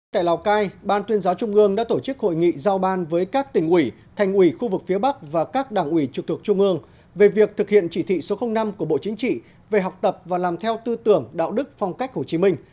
tại lào cai ban tuyên giáo trung ương đã tổ chức hội nghị giao ban với các tỉnh ủy thành ủy khu vực phía bắc và các đảng ủy trực thuộc trung ương về việc thực hiện chỉ thị số năm của bộ chính trị về học tập và làm theo tư tưởng đạo đức phong cách hồ chí minh